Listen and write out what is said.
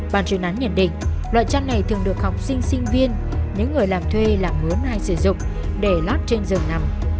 bạn truyền án nhận định loại chăn này thường được học sinh sinh viên những người làm thuê làm mướn hay sử dụng để lót trên giường nằm